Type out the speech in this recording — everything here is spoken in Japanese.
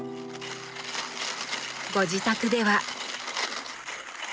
ご自宅では。